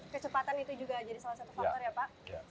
kecepatan itu juga jadi salah satu faktor ya pak